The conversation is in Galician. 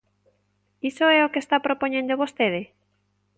¿Iso é o que está propoñendo vostede?